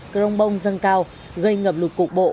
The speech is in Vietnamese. krong bong dâng cao gây ngập lụt cục bộ